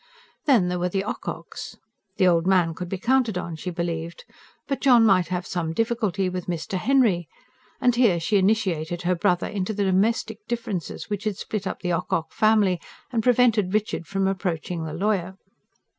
Then there were the Ococks. The old man could be counted on, she believed; but John might have some difficulty with Mr. Henry and here she initiated her brother into the domestic differences which had split up the Ocock family, and prevented Richard from approaching the lawyer.